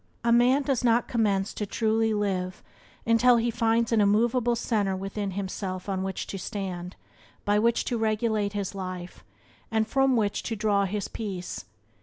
A man does not commence to truly live until he finds an immovable centre within himself on which to stand, by which to regulate his life, and from which to draw his peace.